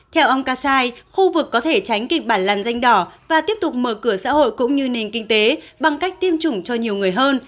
theo ông kassai khu vực có thể tránh kịch bản làn danh đỏ và tiếp tục mở cửa xã hội cũng như nền kinh tế bằng cách tiêm chủng cho nhiều người hơn